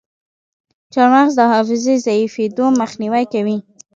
چارمغز د حافظې ضعیفیدو مخنیوی کوي.